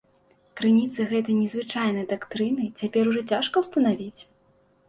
Крыніцы гэтай незвычайнай дактрыны цяпер ужо цяжка ўстанавіць.